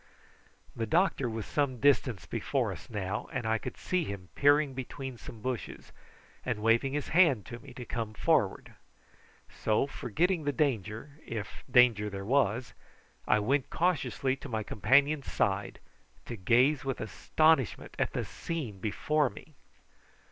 The doctor was some distance before us now, and I could see him peering between some bushes and waving his hand to me to come forward; so, forgetting the danger, if danger there was, I went cautiously to my companion's side, to gaze with astonishment at the scene before me.